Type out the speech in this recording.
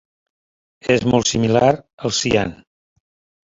És molt similar al cian.